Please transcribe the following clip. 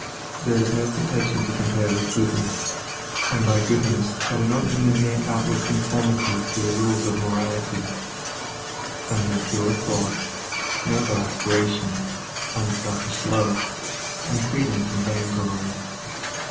There is no protection to compare with goodness, and by "goodness" I do not mean a mere outward conformity to the rules of morality; I mean pure thought, noble aspiration, unselfish love, and freedom from vainglory.